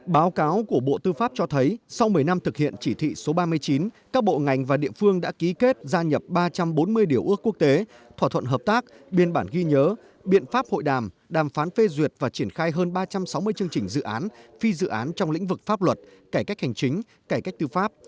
báo cáo của bộ tư pháp cho thấy sau một mươi năm thực hiện chỉ thị số ba mươi chín các bộ ngành và địa phương đã ký kết gia nhập ba trăm bốn mươi điều ước quốc tế thỏa thuận hợp tác biên bản ghi nhớ biện pháp hội đàm đàm phán phê duyệt và triển khai hơn ba trăm sáu mươi chương trình dự án phi dự án trong lĩnh vực pháp luật cải cách hành chính cải cách tư pháp